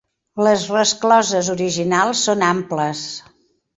Les rescloses originals són amples.